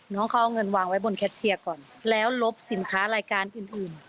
น้องเอาเงินวางไว้บนแคร็กเชียแล้วก็ลบสินค้าละการอื่น